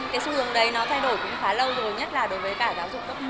cái xu hướng đấy nó thay đổi cũng khá lâu rồi nhất là đối với cả giáo dục cấp một